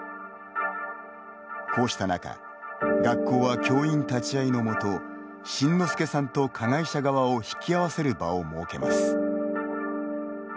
こうした中学校は、教員立ち会いのもと辰乃輔さんと加害者側を引き合わせる場を設けます。